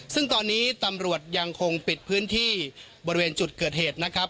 ซึ่งตอนนี้ตำรวจยังคงปิดพื้นที่บริเวณจุดเกิดเหตุนะครับ